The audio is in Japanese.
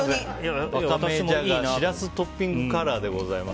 シラストッピングカラーでございます。